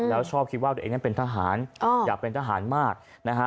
แล้วชอบคิดว่าตัวเองนั้นเป็นทหารอยากเป็นทหารมากนะฮะ